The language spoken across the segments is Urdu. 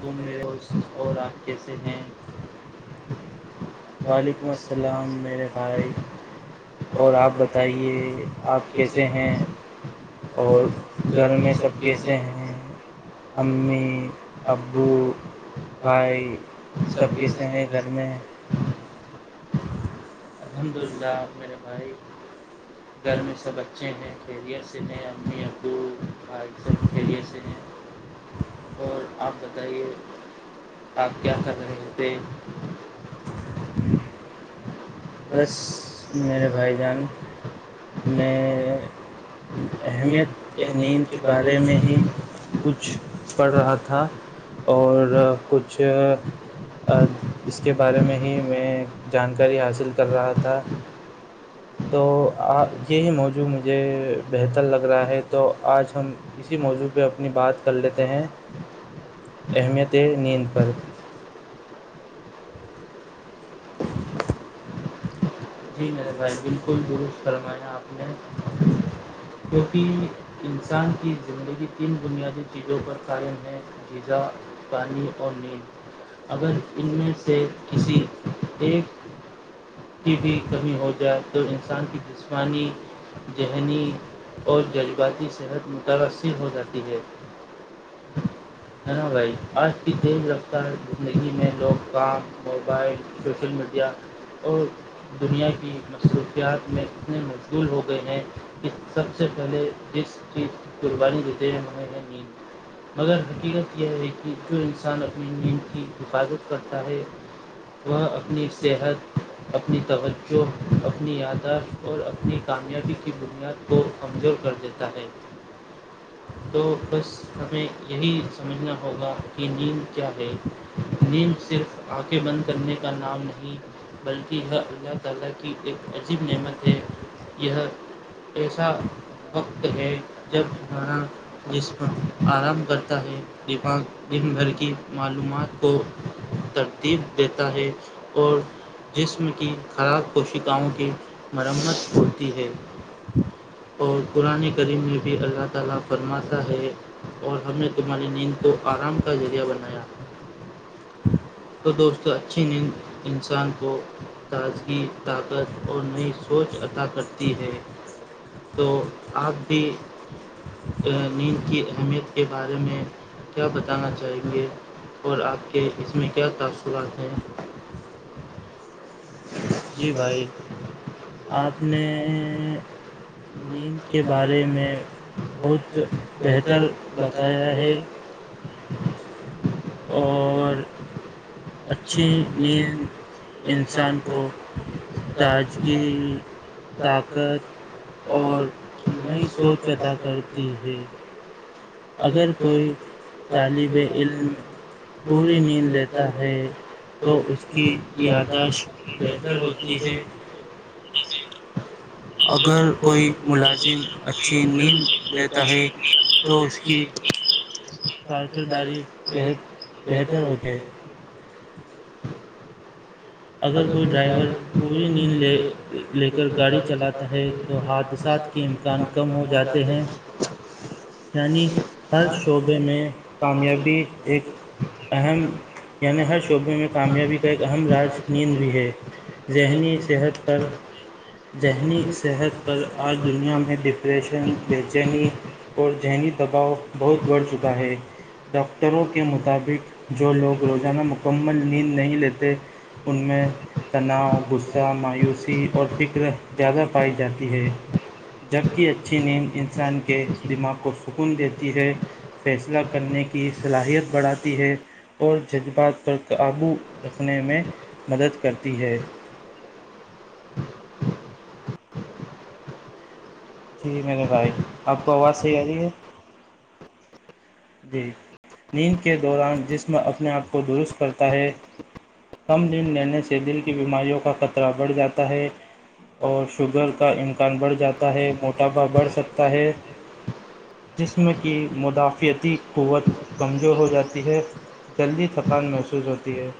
تم میرے اس اور آگ کیسے ہیں؟ وعلیکم السلام میرے بھائی اور آپ بتائیے آپ کیسے ہیں اور گھر میں سب کیسے ہیں امی ابو بھائی سب کیسے ہیں گھر میں الحمدللہ گھر میں سب بچے ہیں کھیل سے ہیں امی ابو سب کھیل سے ہیں اور آپ بتائیے آپ کیا کر رہے تھے بس میرے بھائی جان میں اہمیت نیند کے بارے میں ہی کچھ پڑھ رہا تھا اور کچھ اس کے بارے میں ہی میں جانکاری حاصل کر رہا تھا تو آ یہی موجوع مجھے بہتر لگ رہا ہے تو آج ہم اسی موضوع پہ اپنی بات کر لیتے ہیں اہمیت نیند پر [inaudible] جی میر نےے بھائی بالکل دروست فرمایا آپ نے کیونکہ انسان کی زندگی تین بنیادی چیزوں پر قائم ہے جیزا پانی اور نیند اگر ان میں سے کسی ایک کی بھی کمی ہو جائے تو انسان کی جسمانی ذہنی اور جذباتی صحت متاثر ہو جاتی ہے دناا بھائی آج کی تیز رفتار زندگی میں لوگ کام موبائل سوشل میڈیا کیا اور دنیا کی مصروفیات میں کتنے مقغول ہو گئے ہیں اس سب سے پہلے جس چیز کی قربانی دیتے ہیں وہ ہے نیند مگر حقیقت یہ ہے کہ جو انسان اپنی نیند کی حفاظت کرتا ہے وہاں اپنی صحت اپنی توجہ اپنی یاداش اور اپنی کامیابی کی بنیاد کمزور کر دیتا ہے تو بس ہمیں یہی سمجھنا ہوگا کہ نیند کیا ہے نیم صرف آنکھیں بند کرنے کا نام نہیں بھر بھر کے ا ایسا وقت ہے جب تمارا جس میں آرام کرتا ہے دماغ دن بھر کی معلومات کو ترتیب دیتا ہے [unintelligible] جسم کی خراب کوشکاؤں کی مرمت ہوتی ہے اور پرانے کریم میں بھی اللہ تعالی فرماسا ہے اور ہم نے تہاری نیند کو آرام کا ذریعہ بنایا تو دوستو اچھی تازگی طاقت اور نئی سوچ عطا کرتی ہے تو آپ بھی ند کی اہمیت کے بارے میں کیا بتانا چاہیں گے اور آپ کے اس میں کیا تاثرات ہیں [unintelligible] آپ نے نیند کے بارے میں بہت بہتر بتایا ہے اور اچھی نیند انسان کو تاجین طاقت اور نئی سوچ پتا کرتی ان کو جانی بھی ع بونی نیند دیتا ہے تو اس میں کی آداد بہتر ہوتی ہے اگر کوئی ملازم اچھی نیند دیتا ہے تو اس کی کاف داری بت بہتر ہوتی ہے اگر کوئی ڈرائیور پی نہیں لے کر گاڑی چلاتا ہے تو حادثہ انمسان کم ہو جاتے ہیں یعنی ف ہووبے میں معاملے میں ایک اہم یعنی ہر شعبے میں کامیابی کا اہم راج نیند بھی ہے ذہنی صحت پر ذہنی صحت پر آج دنیا میں ڈپریشن بے چینی اور ذہنی دباؤ بہت بڑھ چکا ہے ڈاکٹروں کے مطابق جو لوگ روزانہ مکمل نیند نہیں لیتے ان میں تناؤ غصہ مایوسی اور فکر زیادہ پائی جاتی ہے جبک اچھی نیند انسان کے دماغ کو سکون دیتی ہے فیصلہ کرنے کی صلاحیت بڑھاتی ہے اور جذبات پر قابو رکھنے میں مدد کرتی ہے جی میرے رھائک آپ کو آواز صحیح آ رہی ہے جی نیند کے دوران جسم اپنے آپ کو درست کرتا ہے کم دن لینے سے دل کی بیماریوں کا خطرہ بڑھ جاتا ہے اور شوگر کا امکان بڑھ جاتا ہے موٹاپا بڑھ سکتا ہے جسم کی مدافعت قوت کمزور ہو جاتی ہے جلدی تھکان محسوس ہوتی ہے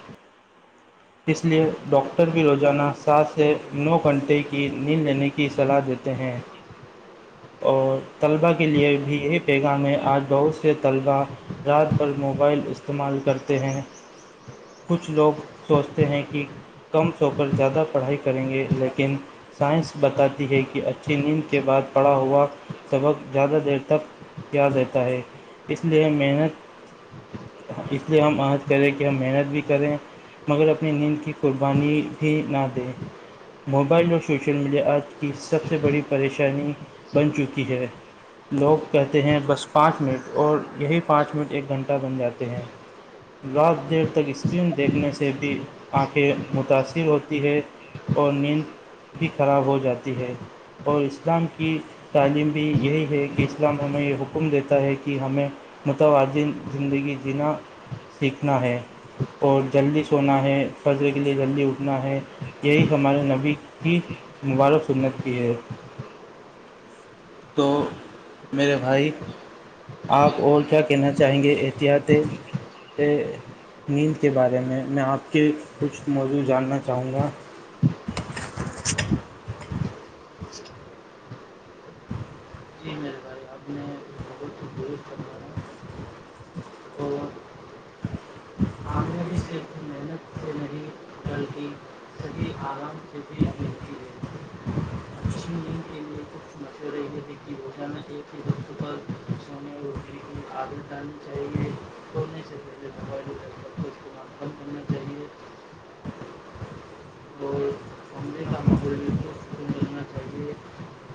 [unintelligible] اس لیے ڈاکٹر بھی روزانہ سات سے نو گھنٹے کی نیند لینے کی صلاح دیتے ہیں جی اور طلباء کے لیے بھی یہی پیغام ہے آج بہت سے طلبا رات بھر موبائل استعمال کرتے ہیں کچھ لوگ سوچتے ہیں کہ کم سو کر زیادہ پڑھائی کریں گے لیکن سائنس بتاتی ہے کہ اچھی نیند کے بعد پڑا ہوا سبق زیادہ دیر تک رہتا ہے اس لیے محنت اس لیے ہم آض کریں کہ ہم محنت بھی کریں مگر اپنی نیند کی قربانی بھی نہ دے موبائل اور سوشل میڈیا آج کی سب سے بڑی پریشانی بن چکی ہے لوگ کہتے ہیں بس پانچ منٹ اور یہی پانچ منٹ ایک گھنٹہ بن جاتے ہیں رات دیر تک اسکرین دیکھنے سے بھی آنکھیں متاثر ہوتی ہے اور نیند بھی خراب ہو جاتی ہے اور اسلام کی تعلیم بھی یہی ہے کہ اسلام ہمیں یہ حکم دیتا ہے کہ ہمیں متوازن زندگی جینا سیکھنا ہے اور جلدی سونا ہے فزرے کے لیے جلدی اٹھنا ہے یہی ہمارے نبی کی مبارک سنت کی ہے تو میرے بھائی آپ اور کیا کہنا چاہیں گے احتیاط نیند کے بارے میں میں آپ کے کچھ موضوع جاننا چاہوں گا جی میرے خ آد نے بہت کر تو کامیابی صرف محنت سے نہیں بلکہ سبھی آرام ک بھی ملتی ہے اچھی نین کے لیے کچھ مشورے کے د کہ وہ جانا ایک ہی وقت پر سونے اور لیکن آگ ڈنی چاہیے تو نہیں سکے موبائل س اس کو م کم کرنا چاہیے اور سمندے کا مقے خب سکون ملنا چاہیے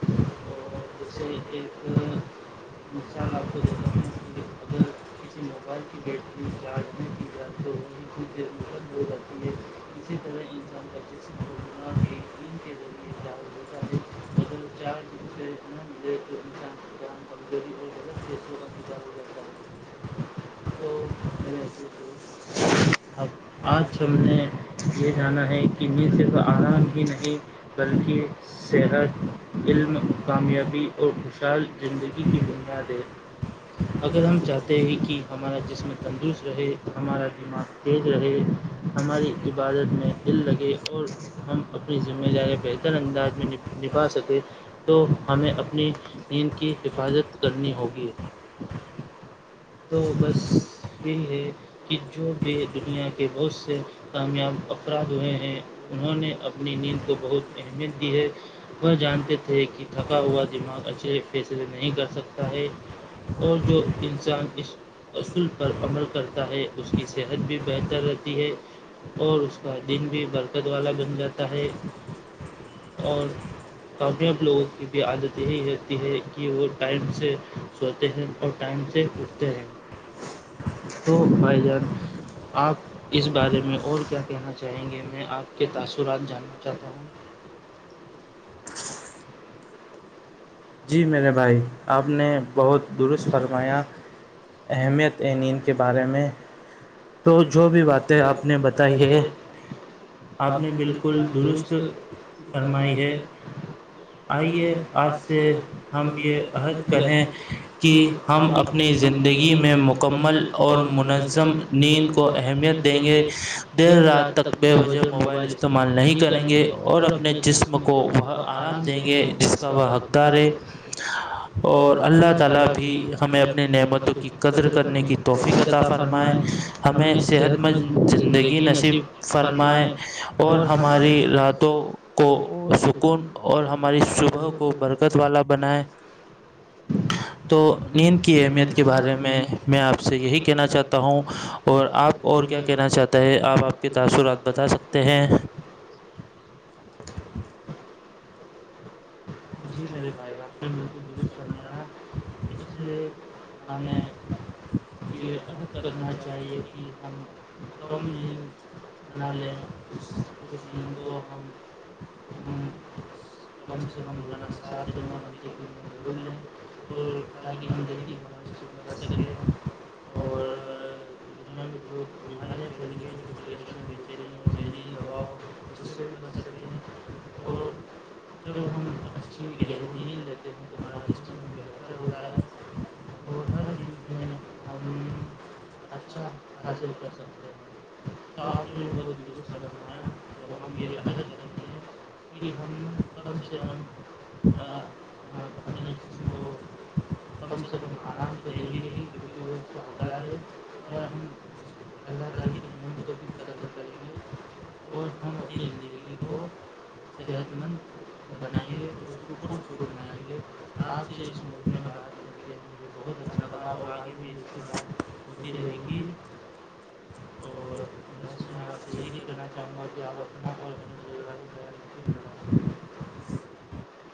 اور دوسے ایک ان شاء اللہ آپ کو دیتا ہوں اگر کسی موبائل کی بیٹری چارج میں کی ج تو وہ کچھ دیر میں ختم ہو جاتی ہے اسی طرح انسان بچے سے بہت کے ذریعے چار م چار دن سے ان مجھے انسان ڈیی ہوساہ تو م اب آج تم نے یہ جانا ہے کہ میں صرف آرام ہی نہیں بلکہ صحت علم کامیابی اور خوشحال زندگی کی بنیاد ہے اگر ہم چاہتے ہیں کہ ہمارا جسم تندرست رہے ہمارا دماغ تیز رہے ہماری عبادت میں دل لگے اور ہم اپنی ذمہ داری بہتر انداز میں نبھا سکیں تو ہمیں اپنی نیند کی حفاظت کرنی ہوگی تو بس یہی ہے کہ جو بھی دنیا کے بہت سے کامیاب افراد ہوئے ہیں انہوں نے اپنی نیند کو بہت اہمیت دی ہے وہ جانتے تھے کہ تھکا ہوا دماغ اچھے فیصلے نہیں کر سکتا ہے اور جو انسان اس اصول پر عمل کرتا ہے اس کی صحت بھی بہتر رہتی ہے اور اس کا دن بھی برکت والا بن جاتا ہے اور تاک اب لوگوں کی بھی عادت یہی رہتی ہے کہ وہ ٹائم سے سوتے ہیں اور ٹائم سے اٹھتے ہیں تو یار آپ اس بارے میں اور کیا کہنا چاہیں گے میں آپ کے تاثرات جاننا چاہتا ہوں جی میرے بھائی آپ نے بہت درست فرمایا اہمیت ہے نین کے بارے میں تو جو بھی باتیں آپ نے بتائی ہے آپ نے بالکل درست فرمائی ہے آئیے آ سے ہم یہ عہد کریں کہ ہم اپنی زندگی میں مکمل اور منظم نیند کو اہمیت دیں گے دیر رات تک بے بجے موبائل استعمال نہیں کریں گے اور اپنے جسم کو وہ آرام دیں گے جس کا وہ حق تارے اور اللہ تعالی بھی ہمیں اپنی نعمتوں کی قدر کرنے کی توحفی کتا فرمائے ہمیں صحت مند زندگی نصیب فرمائے اور ہماری راتوں کو سکون اور ہماری صبح کو برکت والا بنائے تو نیند کی اہمیت کے بارے میں میں آپ سے یہی کہنا چاہتا ہوں اور آپ اور کیا کہنا چاہتا ہیں آپ آپ کے تاثرات بتا سکتے ہیں فہ جی میرے بھائی کا نش شرمایا اس میں ہمیں یہ عد کرنا چاہیے چاہیے کہ ہم کم دن نہ لیں اس اسسمان کو ہم ہ کم سے کم روزانہ سات سے نو گھنٹے کے لی ضرور لیں اور تاکہ ہم جی گ بارش دس سیکنڈ اور ان میں جو بیماریاں ففشن جلدی دباؤ اس سے بھی بچ سکیں اور جب ہم اچھی گہری مل لیتے ہیں تو ہمارے ک بہتر ہوتا ہے ہر چی اچھا حاصل کر سکتے ہیں تو آپ نے بہت درست کرناایا وہ ہم یہ عہد کرتے ہیں کہ ہم کم سے کم اپنے قسم کو کم سے کم آرام کو دیں گے ہی کیکہ وہزار ہے اور ہم اس اللہ تعالی کی نت کو بھی متتر کریں گے اور ہم اپنی زندگی کو صحت مند بنائیں گے اس کو خرسکت بنائیں گے آپ سے اس مووی میں بات کر کے مجھے بہت اچھا لگا اور آج بھی اسی بال متی رہی ت اور بس میں آپ سے یہی کہنا چاہوں گا کہ آپ اپنا اور اپنا پریوار [inaudible]